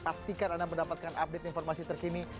pastikan anda mendapatkan update informasi terkini